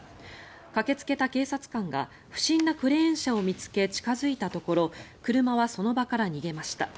駆けつけた警察官が不審なクレーン車を見つけ近付いたところ車はその場から逃げました。